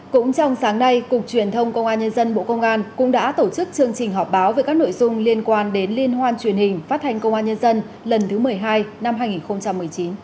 cũng trong sáng nay cục truyền thông công an nhân dân bộ công an cũng đã tổ chức chương trình họp báo về các nội dung liên quan đến liên hoan truyền hình phát thanh công an nhân dân lần thứ một mươi hai năm hai nghìn một mươi chín